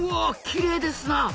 きれいですなあ。